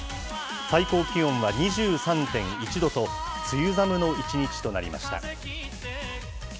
最高気温は２３．１度と、梅雨寒の一日となりました。